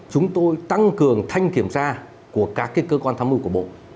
chúng tôi tăng cường thanh kiểm tra của các cơ quan tham mưu của bộ